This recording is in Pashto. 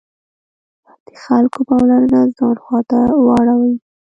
د خلکو پاملرنه ځان خواته واړوي.